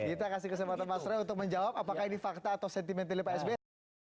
kita kasih kesempatan mas roy untuk menjawab apakah ini fakta atau sentimental pak sby